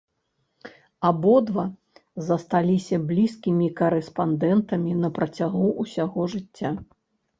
Абодва засталіся блізкімі карэспандэнтамі на працягу ўсяго жыцця.